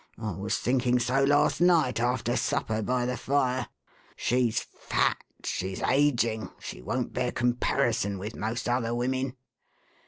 I was thinking so, last night, after supper, by the fire. She's fat, she's ageing, she won't bear comparison with most other women."